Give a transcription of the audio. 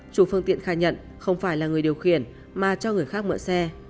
chủ phương tiện khai nhận không phải là người điều khiển mà cho người khác mượn xe